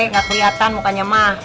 kalau sudah siapin sizenya pun mudah